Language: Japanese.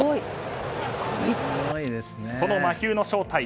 この魔球の正体